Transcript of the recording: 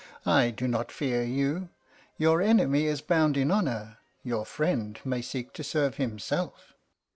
I do not fear you. Your enemy is bound in honour, your friend may seek to serve himself."